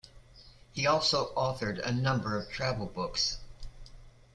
He also authored a number of travel books.